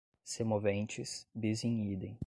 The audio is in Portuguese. semoventes, bis in idem